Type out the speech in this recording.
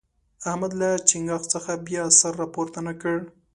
احمد له چينګاښ څخه بیا سر راپورته نه کړ.